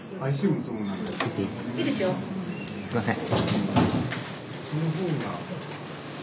すいません。